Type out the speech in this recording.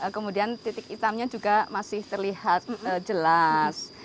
kemudian titik hitamnya juga masih terlihat jelas